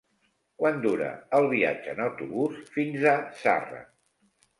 Quant dura el viatge en autobús fins a Zarra?